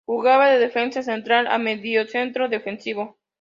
Jugaba de defensa central o mediocentro defensivo.